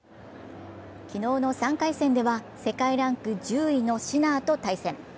昨日の３回戦では世界ランク１０位のシナーと対戦。